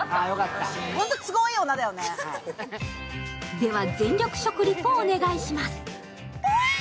では、全力食レポをお願いします。